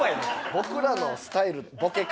僕らのスタイルボケ方。